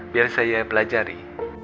biar saya pelajari